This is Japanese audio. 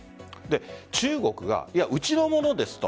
中国がうちの物ですと。